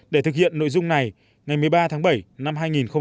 để thực hiện nội dung này ngày một mươi ba tháng bảy năm hai nghìn một mươi năm